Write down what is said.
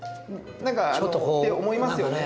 何かって思いますよね。